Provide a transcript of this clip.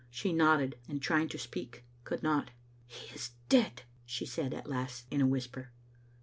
She nodded, and trying to speak could not. "He is dead," she said at last in a whisper.